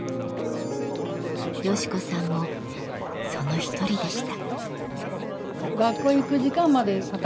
ヨシ子さんもその一人でした。